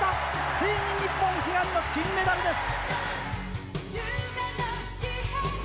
ついに日本、悲願の金メダルです。